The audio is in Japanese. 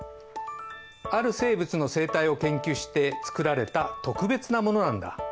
ある生物の生態を研究してつくられた特別なものなんだ。